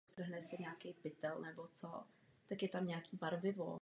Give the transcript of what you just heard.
Je významnou národní historickou osobností.